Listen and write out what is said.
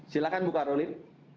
silakan ibu karolin